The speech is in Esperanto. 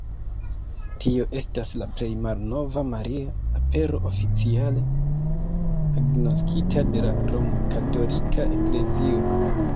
Tio estas la plej malnova Maria Apero oficiale agnoskita de la Romkatolika Eklezio.